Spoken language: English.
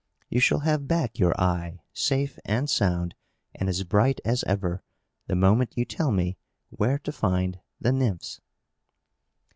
You shall have back your eye, safe and sound, and as bright as ever, the moment you tell me where to find the Nymphs."